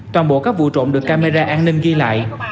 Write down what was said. toàn bộ các vụ trộm được camera an ninh ghi lại